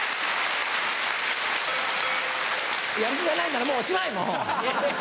やる気がないならもうおしまい！